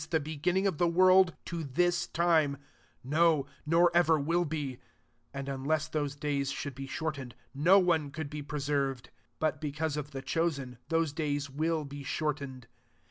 the beginning of the world, to thii time ; no, nor ever will be. S$ And unless those days sbouM be shortened, no one could b« preserved : but because of tin chosen, those days will be shoi% ened.